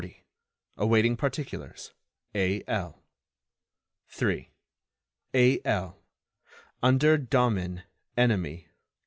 Awaiting particulars. A.L. 3. A.L. Under domin. enemy.